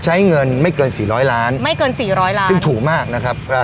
ใช้เงินไม่เกินสี่ร้อยล้านไม่เกินสี่ร้อยล้านซึ่งถูกมากนะครับอ่า